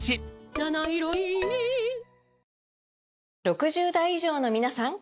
６０代以上のみなさん！